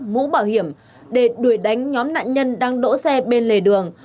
mũ bảo hiểm để đuổi đánh nhóm nạn nhân đang đỗ xe bên lề đường